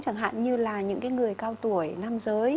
chẳng hạn như là những người cao tuổi nam giới